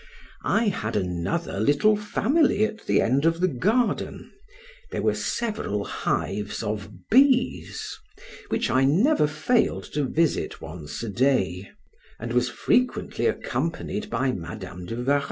I had another little family at the end of the garden; these were several hives of bees, which I never failed to visit once a day, and was frequently accompanied by Madam de Warrens.